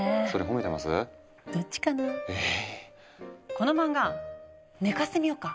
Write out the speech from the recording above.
この漫画寝かしてみようか？